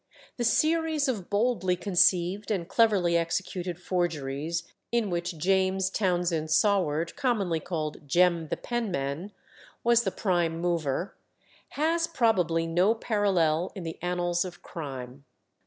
The series of boldly conceived and cleverly executed forgeries in which James Townshend Saward, commonly called "Jem the Penman," was the prime mover, has probably no parallel in the annals of crime.